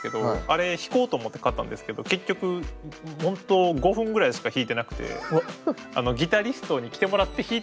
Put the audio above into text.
あれ弾こうと思って買ったんですけど結局本当５分ぐらいしか弾いてなくてギタリストに来てもらって弾いてもらうためのギターみたいな。